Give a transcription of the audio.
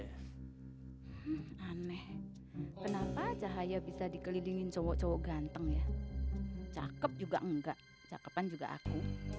aneh kenapa cahaya bisa dikelilingin cowok cowok ganteng ya cakep juga enggak cakepan juga aku